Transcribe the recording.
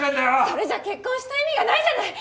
それじゃ結婚した意味がないじゃない！